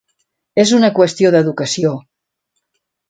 “És una qüestió d’educació”